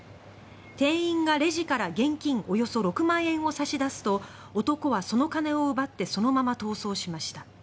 店員がレジから現金およそ６万円を差し出すと男はその金を奪ってそのまま逃走しました。